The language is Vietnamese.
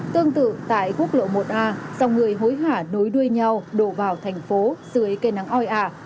tương tự tại quốc lộ một a dòng người hối hả nối đuôi nhau đổ vào thành phố dưới cây nắng oi ả